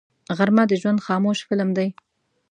غرمه د ژوند خاموش فلم دی